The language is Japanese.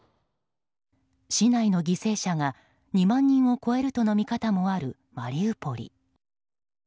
市内の犠牲者が２万人を超えるとの見方もあるマリウポリ。